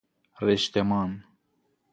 رشتمان